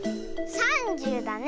３０だね。